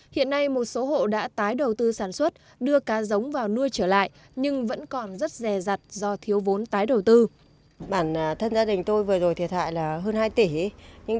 hiện nay một số hộ đã tái đầu tư sản xuất đưa cá giống vào nuôi trở lại nhưng vẫn còn rất rè rặt do thiếu vốn tái đầu tư